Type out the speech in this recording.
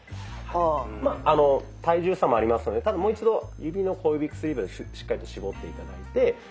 まっあの体重差もありますのでただもう一度指の小指・薬指をしっかりと絞って頂いてはい。